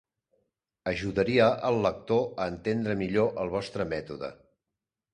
Ajudaria al lector a entendre millor el vostre mètode.